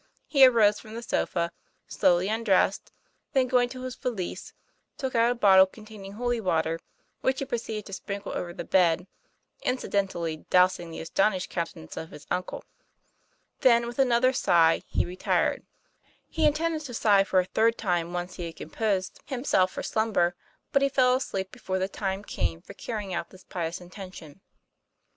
He arose from the sofa, slowly undressed, then going to his valise took out a bottle containing holy water, which he proceeded to sprinkle over the bed, incidentally dousing the aston ished countenance of his uncle. Then with another sigh he retired. He intended to sigh for a third time once he had composed him 1 66 TOM PLAYFAIR. self for slumber, but he fell asleep before the time came for carrying out this pious intention.